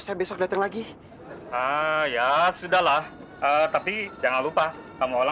semestinya saya tuh sudah harus ada di musola